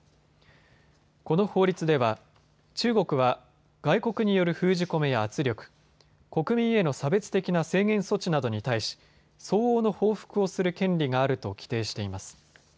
この法律では中国は外国による封じ込めや圧力、国民への差別的な制限措置などに対し、相応の報復をする権利があると規定しています。